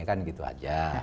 kan gitu aja